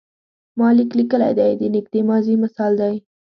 ما لیک لیکلی دی د نږدې ماضي مثال دی.